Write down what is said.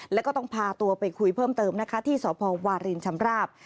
แล้วก็ต้องพาตัวไปคุยเพิ่มเติมนะคะที่สพวารินชำราบ